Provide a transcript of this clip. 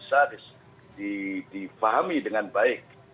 kita awal ini memastikan bahwa agenda ideologis kita bisa dipahami dengan baik